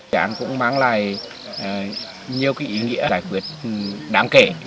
dự án cũng mang lại nhiều ý nghĩa giải quyết đáng kể